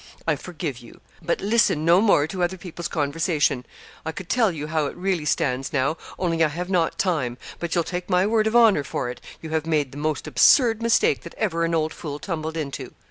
I forgive you. But listen no more to other people's conversation. I could tell you how it really stands now, only I have not time; but you'll take my word of honour for it, you have made the most absurd mistake that ever an old fool tumbled into.